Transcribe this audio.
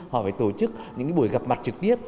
họ phải tổ chức những buổi gặp mặt trực tiếp